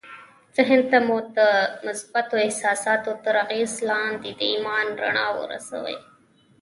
ذهن ته مو د مثبتو احساساتو تر اغېز لاندې د ايمان رڼا ورسوئ.